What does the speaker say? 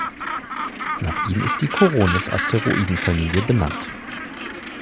Nach ihm ist die Koronis-Asteroidenfamilie benannt.